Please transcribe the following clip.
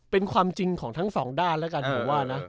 เป็นความจริงของทั้งสองด้านแล้วกันผมว่านะ